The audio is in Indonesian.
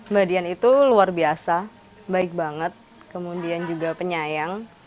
mbak dian itu luar biasa baik banget kemudian juga penyayang